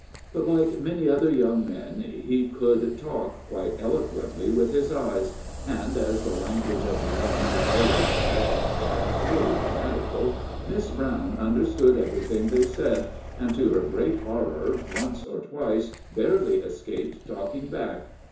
But, like many other young men, he could talk quite eloquently with his eyes, and as the language of the eyes is always direct, and purely grammatical, Miss Brown understood everything they said, and, to her great horror, once or twice barely escaped talking back.